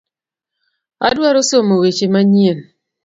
Adwaro somo weche manyien.